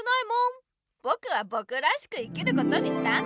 ぼくはぼくらしく生きることにしたんだ。